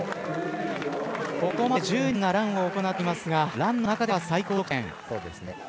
ここまで１０人がランを行っていますがランの中では最高得点。